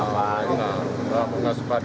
enggak enggak suka